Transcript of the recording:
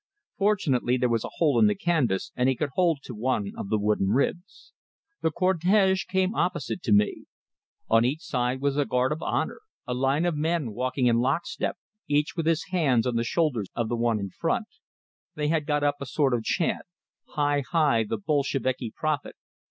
Fortunately there was a hole in the canvas, and he could hold to one of the wooden ribs. The cortege came opposite to me. On each side was a guard of honor, a line of men walking in lock step, each with his hands on the shoulders of the one in front; they had got up a sort of chant: "Hi! Hi! The Bolsheviki prophet!